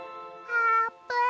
あーぷん？